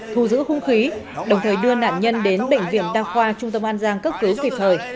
thu giữ hung khí đồng thời đưa nạn nhân đến bệnh viện đa khoa trung tâm an giang cấp cứu kịp thời